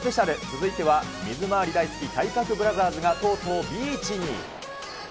続いては水回り大好き、体格ブラザーズがとうとうビーチに。